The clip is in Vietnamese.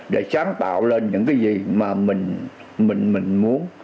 để sáng tạo lên những cái gì mà mình muốn